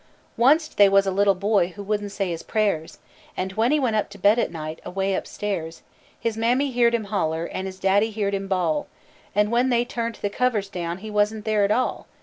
"Onc't they was a little boy wouldn't say his prayers An' when he went to bed at night, away upstairs, His mammy heerd him holler, an' his daddy heerd him bawl, An' when they turn't the kivvers down, he wasn't there at all!